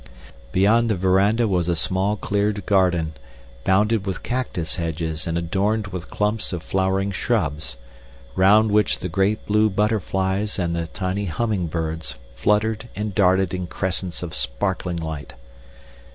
Beyond the veranda was a small cleared garden, bounded with cactus hedges and adorned with clumps of flowering shrubs, round which the great blue butterflies and the tiny humming birds fluttered and darted in crescents of sparkling light.